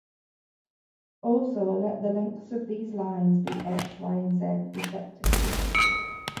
Also, let the lengths of these lines be x, y, and z, respectively.